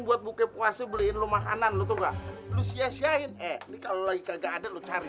buat buka puasa beliin lo makanan lu tuh gak lu sia siain eh kalau lagi kagak ada lu cari